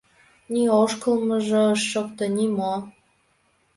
Ни ошкылмыжо ыш шокто, ни мо.